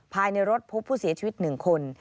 ภายในรถพบผู้เสียชีวิต๑คน